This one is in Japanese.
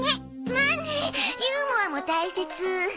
まあねユーモアも大切。